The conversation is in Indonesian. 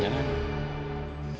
ya allah jangan ya